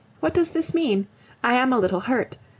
What does this mean? I am a little hurt.